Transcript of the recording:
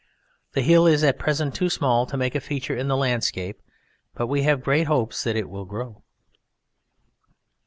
The hill is at present too small to make a feature in the landscape, but we have great hopes that it will grow.